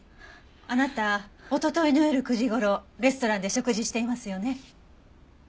あなたおとといの夜９時頃レストランで食事していますよね？